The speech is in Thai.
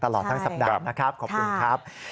ตลอดทั้งสัปดาห์นะครับขอบคุณครับ